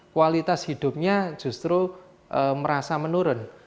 kualitas hidupnya justru merasa menurun